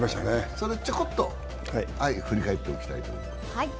ちょこっと振り返っておきたいと思います。